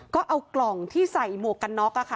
ก็เอากล่องที่ใส่หมวกกันน็อก